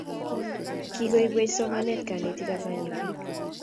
Kikoipwech somanet kanetik ak kanyoik